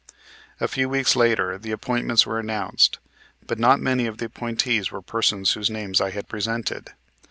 A few weeks later the appointments were announced; but not many of the appointees were persons whose names I had presented.